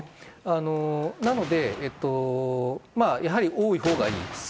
なので、やはり多いほうがいい。